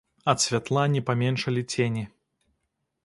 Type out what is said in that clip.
Ад святла не паменшалі цені.